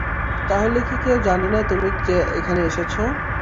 তাহলে কী কেউ জানে না তুমি যে এখানে এসেছো?